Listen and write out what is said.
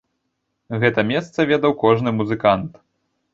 Гэта месца ведаў кожны музыкант.